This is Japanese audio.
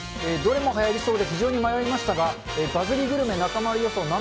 どれもはやりそうで、非常に迷いましたが、バズりグルメ中丸予想